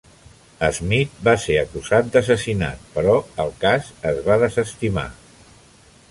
Smith va ser acusat d"assassinat però el cas es va desestimar.